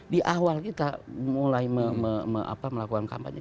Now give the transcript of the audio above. di awal kita mulai melakukan kampanye